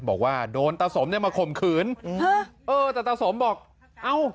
บอกว่าโดนตาสมเนี่ยมาข่มขืนฮะเออแต่ตาสมบอกเอ้า